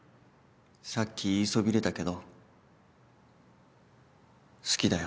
さっき言いそびれたけど好きだよ。